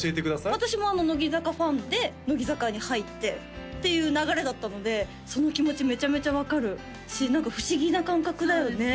私も乃木坂ファンで乃木坂に入ってっていう流れだったのでその気持ちめちゃめちゃ分かるし何か不思議な感覚だよね